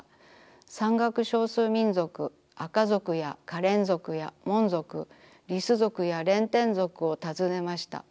山岳少数民族アカ族やカレン族やモン族リス族やレンテン族をたずねました。